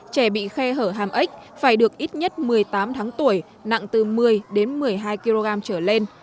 trẻ bị khe hở hàm ếch phải được ít nhất một mươi tám tháng tuổi nặng từ một mươi đến một mươi hai kg trở lên